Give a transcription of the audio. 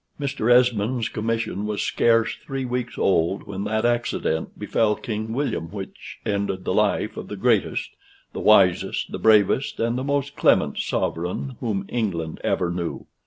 Mr. Esmond's commission was scarce three weeks old when that accident befell King William which ended the life of the greatest, the wisest, the bravest, and most clement sovereign whom England ever knew.